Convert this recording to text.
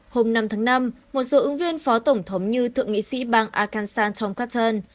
hôm năm tháng năm một số ứng viên phó tổng thống như thượng nghị sĩ bang arkansas tom cotton